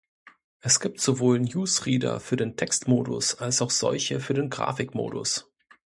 Es gibt sowohl Newsreader für den Textmodus als auch solche für den Grafikmodus.